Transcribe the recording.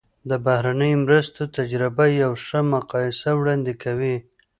د بهرنیو مرستو تجربه یوه ښه مقایسه وړاندې کوي.